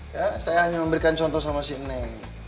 ya saya hanya memberikan contoh sama si neng